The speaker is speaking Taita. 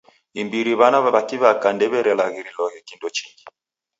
Imbiri w'ana w'a kiw'aka ndew'erelaghiriloghe kindo chingi.